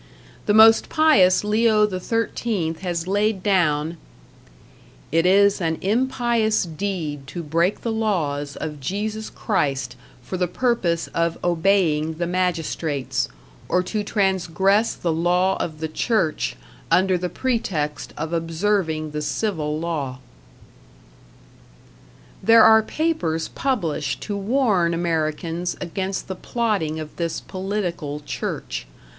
The most pious Leo XIII has laid down: It is an impious deed to break the laws of Jesus Christ for the purpose of obeying the magistrates, or to transgress the law of the Church under the pretext of observing the civil law. There are papers published to warn Americans against the plotting of this political Church.